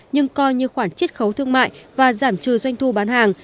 nhưng coi như khoản chiết khấu thương mại và giảm trừ doanh thu bán hàng